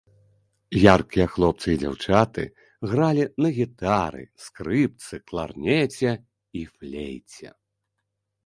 Яркія хлопцы і дзяўчаты гралі на гітары, скрыпцы, кларнеце і флейце.